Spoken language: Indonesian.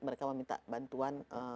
mereka meminta bantuan